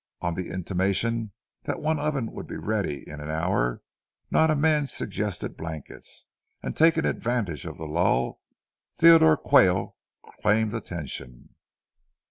On the intimation that one oven would be ready in an hour, not a man suggested blankets, and, taking advantage of the lull, Theodore Quayle claimed attention.